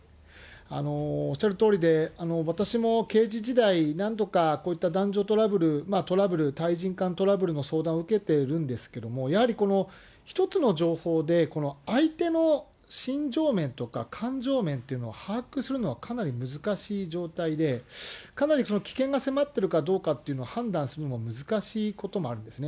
おっしゃるとおりで、私も刑事時代、何度かこういった男女トラブル、トラブル、対人間トラブルの相談を受けてるんですけれども、やはり１つの情報で、相手の心情面とか感情面っていうのを把握するのはかなり難しい状態で、かなり危険が迫っているかどうかっていうのは判断するのは難しいこともあるんですね。